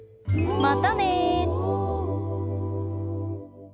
またね！